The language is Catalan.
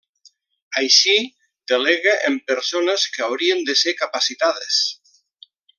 Així, delega en persones que haurien de ser capacitades.